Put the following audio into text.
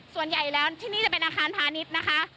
ส่วนใหญ่แล้วที่นี่จะเป็นอาคารพาณิชย์นะคะ